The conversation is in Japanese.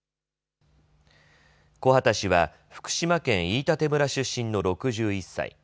木幡氏は福島県飯舘村出身の６１歳。